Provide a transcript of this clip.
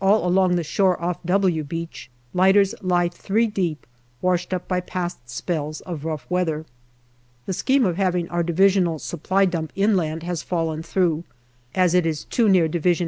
All along the shore off " W " Beach lighters lie three deep, washed up by past spells of rough weather. The scheme of having our divisional Supply dump inland has fallen through, as it is too near D.H.